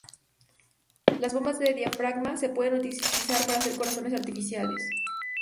Las bombas de diafragma se pueden utilizar para hacer corazones artificiales.